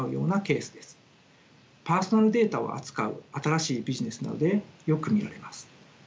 パーソナルデータを扱う新しいビジネスなどでよく見られます。